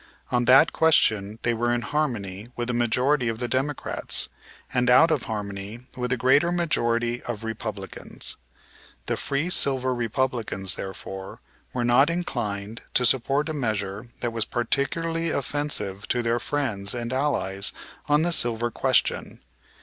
On that question they were in harmony with a majority of the Democrats, and out of harmony with the great majority of Republicans. The Free Silver Republicans, therefore, were not inclined to support a measure that was particularly offensive to their friends and allies on the silver question.